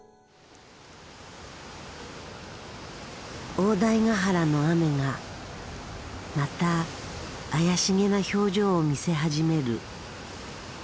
大台ヶ原の雨がまた妖しげな表情を見せ始める。